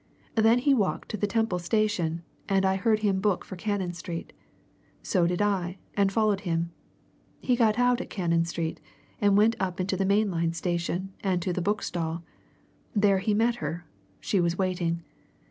Then he walked to the Temple Station, and I heard him book for Cannon Street. So did I, and followed him. He got out at Cannon Street and went up into the main line station and to the bookstall. There he met her she was waiting.